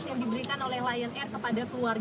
kepada keluarga karena kan mereka ada datang